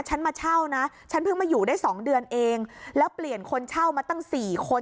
ฉันมาเช่านะฉันเพิ่งมาอยู่ได้สองเดือนเองแล้วเปลี่ยนคนเช่ามาตั้งสี่คน